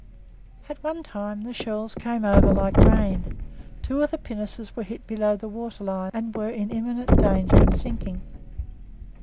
At one time the shells came over like rain; two of the pinnaces were hit below the water line, and were in imminent danger of sinking.